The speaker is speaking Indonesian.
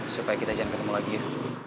supaya kita jangan ketemu lagi yuk